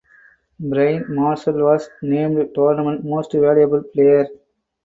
Brian Marshall was named Tournament Most Valuable Player.